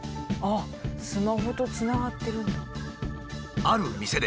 あっスマホとつながってるんだ。